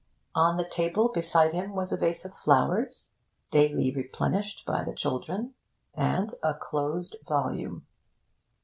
On the table beside him was a vase of flowers, daily replenished by the children, and a closed volume.